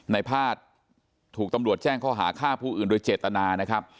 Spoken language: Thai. ในภาษย์ถูกตำรวจแจ้งข้อหาฆ่าผู้อื่นโดยเจตนานะครับ